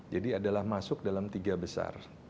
jadi adalah masuk dalam tiga besar